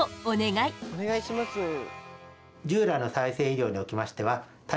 お願いします。